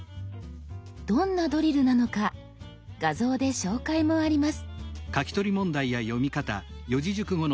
どんなドリルなのか画像で紹介もあります。